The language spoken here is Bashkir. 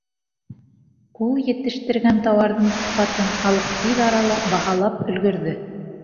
Ул етештергән тауарҙың сифатын халыҡ тиҙ арала баһалап өлгөрҙө.